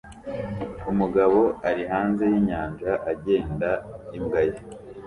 Umugabo ari hanze yinyanja agenda imbwa ye